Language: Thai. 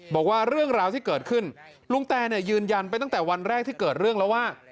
บอกว่าเรื่องราวที่เกิดขึ้นลุงแตยืนยันไปตั้งแต่วันแรกที่เกิดเรื่องแล้วว่า